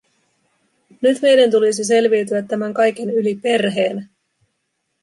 Nyt meidän tulisi selviytyä tämän kaiken yli perheenä.